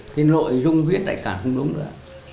thế nội dung viết lại cả không đúng nữa